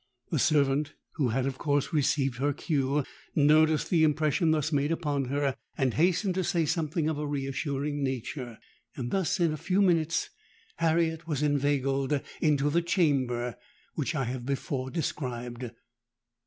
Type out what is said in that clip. The servant (who had of course received her cue) noticed the impression thus made upon her, and hastened to say something of a re assuring nature. Thus, in a few minutes, Harriet was inveigled into the chamber which I have before described.